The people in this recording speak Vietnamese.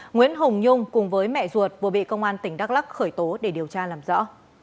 nguyễn hồng nhung cùng với mẹ ruột vừa bị công an tỉnh đắk lắc khởi tố để điều tra làm rõ